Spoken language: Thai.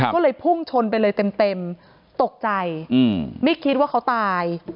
ก็เลยพุ่งชนไปเลยเต็มตกใจไม่คิดว่าเขาตาย